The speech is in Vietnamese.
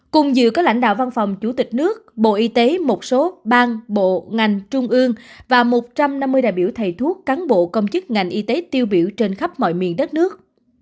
cùng dự có lãnh đạo văn phòng chủ tịch nước bộ y tế một số bang bộ ngành trung ương và một trăm năm mươi đại biểu thầy thuốc cán bộ công chức ngành y tế tiêu biểu trên khắp mọi miền đất nước